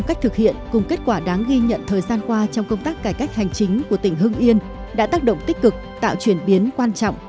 các kết quả đáng ghi nhận thời gian qua trong công tác cải cách hành chính của tỉnh hưng yên đã tác động tích cực tạo chuyển biến quan trọng